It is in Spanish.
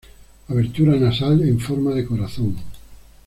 Abertura nasal en forma de corazón.